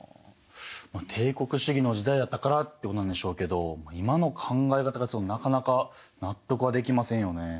帝国主義の時代やったからってことなんでしょうけど今の考え方からするとなかなか納得はできませんよね。